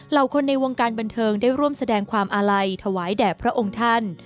คนในวงการบันเทิงได้ร่วมแสดงความอาลัยถวายแด่พระองค์ท่าน